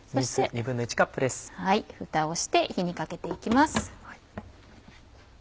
ふたをして火にかけて行きます。